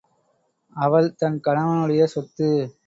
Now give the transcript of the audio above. அவள் தன் கணவனுடைய சொத்து!